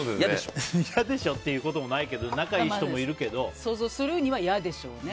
嫌でしょっていうこともないけど想像するには嫌でしょうね。